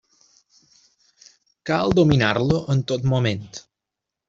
Cal dominar-lo en tot moment.